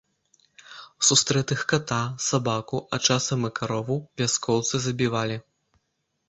Сустрэтых ката, сабаку, а часам і карову вяскоўцы забівалі.